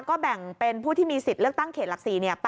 ก็แบ่งเป็นผู้ที่มีสิทธิ์เลือกตั้งเขตหลัก๔